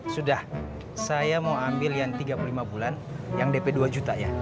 sudah saya mau ambil yang tiga puluh lima bulan yang dp dua juta ya